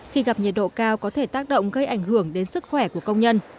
khi gặp nhiệt độ cao có thể tác động gây ảnh hưởng đến sức khỏe của công nhân